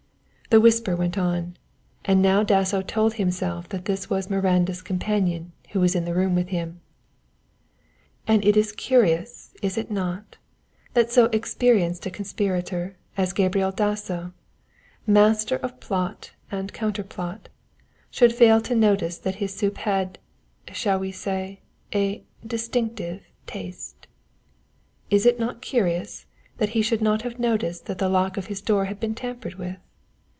The whisper went on, and now Dasso told himself that this was Miranda's companion who was in the room with him. " and it is curious, is it not? that so experienced a conspirator as Gabriel Dasso, master of plot and counterplot, should fail to notice that his soup had, shall we say, a distinctive taste? Is it not curious that he should not have noticed that the lock of his door had been tampered with?